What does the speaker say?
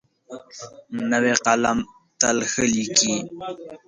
نوی قلم تل ښه لیکي.